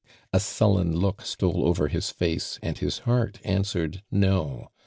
A sullen look stole over his face and his lieart answered "no."